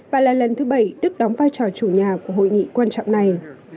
và là lần thứ bảy đức đóng vai trò chủ nhà của hội nghị quan trọng này